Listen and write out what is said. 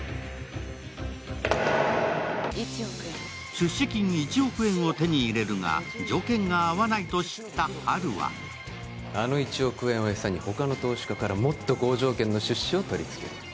出資金１億円を手に入れるが条件が合わないと知ったハルはあの１億円を餌に他の投資家からもっと好条件の出資を取りつける。